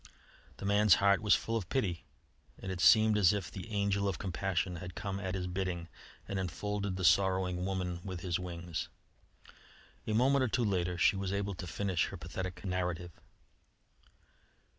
The man's heart was full of pity, and it seemed as if the Angel of Compassion had come at his bidding and enfolded the sorrowing woman with his wings. A moment or two later she was able to finish her pathetic narrative.